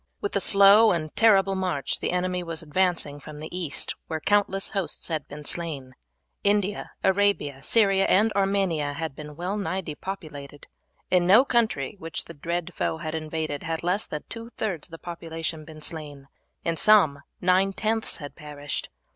With a slow and terrible march the enemy was advancing from the East, where countless hosts had been slain. India, Arabia, Syria, and Armenia had been well nigh depopulated. In no country which the dread foe had invaded had less than two thirds of the population been slain; in some nine tenths had perished.